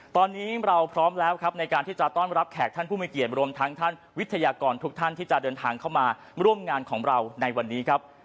ตอนนี้เราพร้อมแล้วครับในการที่จะต้อนรับแขกท่านผู้มีเกียรติรวมทั้งท่านวิทยากรทุกท่านที่จะเดินทางเข้ามาร่วมงานของเราในวันนี้ครับ